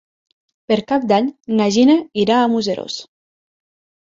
Per Cap d'Any na Gina irà a Museros.